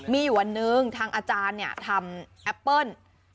มีอยู่วันหนึ่งทางอาจารย์ทำแอปเปิ้ล